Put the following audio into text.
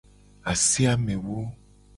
Ase amewo.